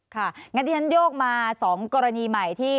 ค่ะงั้นดิฉันโยกมา๒กรณีใหม่ที่